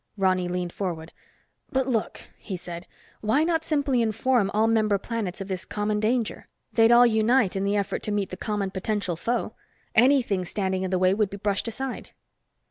Ronny leaned forward. "But look," he said. "Why not simply inform all member planets of this common danger? They'd all unite in the effort to meet the common potential foe. Anything standing in the way would be brushed aside."